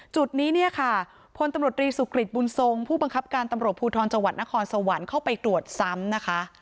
จุดนี้เนี่ยค่ะพลตำรวจรีสุกริตบุญทรงผู้บังคับการตำรวจภูทรจังหวัดนครสวรรค์เข้าไปตรวจซ้ำนะคะ